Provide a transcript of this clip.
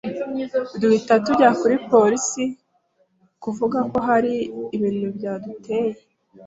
duhita tujya kuri polisi kuvuga ko hari ibintu byaduteye